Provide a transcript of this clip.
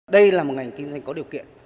đây là một ngành kinh doanh có điều kiện